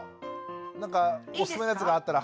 なんかおすすめのやつがあったら。